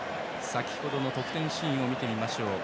先程の得点シーンを見ましょう。